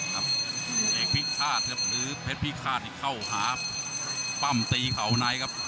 เอกพิฆาตครับหรือเพชรพิฆาตนี่เข้าหาปั้มตีเขาในครับ